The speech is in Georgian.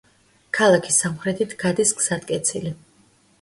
ქალაქის სამხრეთით გადის გზატკეცილი.